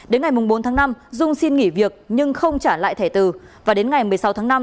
đến ngày bốn tháng năm dung xin nghỉ việc nhưng không trả lại thẻ từ và đến ngày một mươi sáu tháng năm